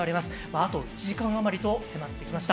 あと１時間あまりと迫ってきました。